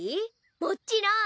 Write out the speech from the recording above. もちろん。